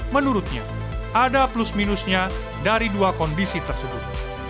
menurutnya ada plus minusnya dari dua kondisi tersebut